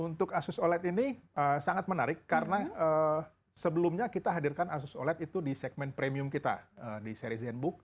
untuk asus oled ini sangat menarik karena sebelumnya kita hadirkan asus oled itu di segmen premium kita di seri zenbook